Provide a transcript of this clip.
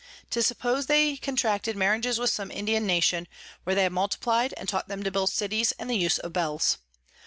'Tis suppos'd they contracted Marriages with some Indian Nation, where they have multiply'd, and taught them to build Cities and the Use of Bells.